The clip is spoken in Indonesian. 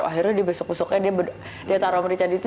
akhirnya dia besok besoknya dia taruh merica di situ